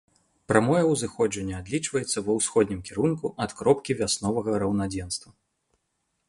Прамое ўзыходжанне адлічваецца ва ўсходнім кірунку ад кропкі вясновага раўнадзенства.